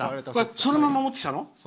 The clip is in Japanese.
そのまま持ってきたの？